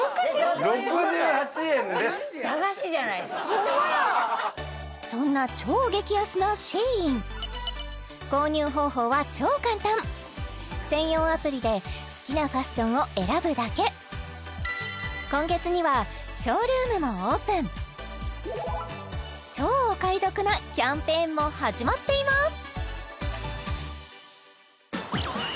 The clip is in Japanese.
ホンマやそんな超激安なＳＨＥＩＮ購入方法は超簡単専用アプリで好きなファッションを選ぶだけ今月にはショールームもオープン超お買い得なキャンペーンも始まっています